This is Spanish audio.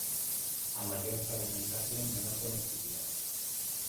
A mayor fragmentación menor conectividad.